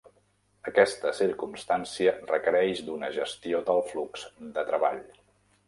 Aquesta circumstància requereix d'una gestió del flux de treball.